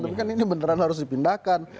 tapi kan ini beneran harus dipindahkan